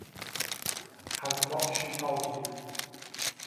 Has not she told you?